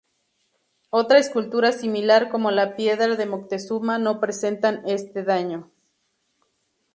Otra escultura similar como la Piedra de Moctezuma no presentan este daño.